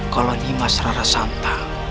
kalau nimas rarasanta